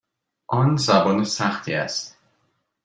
آن زبان سختی است.